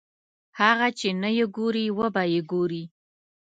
هغه چې نه یې ګورې وبه یې ګورې.